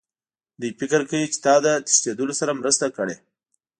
دوی فکر کوي چې تا له تښتېدلو سره مرسته کړې